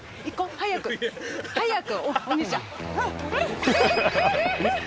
早く、早く！